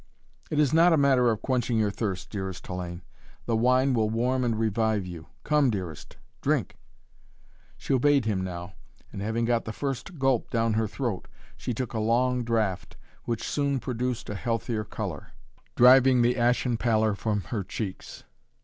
"It is not a matter of quenching your thirst, dearest Hellayne. The wine will warm and revive you! Come, dearest drink!" She obeyed him now, and having got the first gulp down her throat, she took a long draught, which soon produced a healthier color, driving the ashen pallor from her cheeks.